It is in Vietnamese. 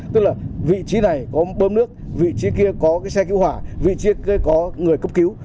tức là vị trí này có bơm nước vị trí kia có cái xe cứu hỏa vị chiếc có người cấp cứu